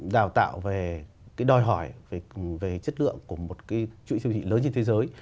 đào tạo về cái đòi hỏi về chất lượng của một cái chuỗi siêu thị lớn trên thế giới